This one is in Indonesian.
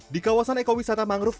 di kawasan ekowisata mangrove